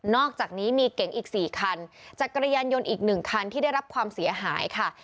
อกจากนี้มีเก๋งอีก๔คันจักรยานยนต์อีก๑คันที่ได้รับความเสียหายค่ะ